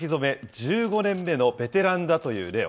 １５年目のベテランだというレオ。